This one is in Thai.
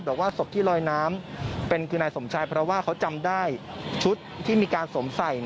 บอกว่าศพที่ลอยน้ำเป็นคือนายสมชายเพราะว่าเขาจำได้ชุดที่มีการสวมใส่